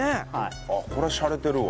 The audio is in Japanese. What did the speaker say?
あっこりゃしゃれてるわ。